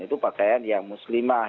itu pakaian yang muslimah